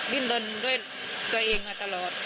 ดิ้นลนด้วยตัวเองมาตลอด